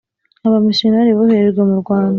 Abamisiyoneri boherejwe mu Rwanda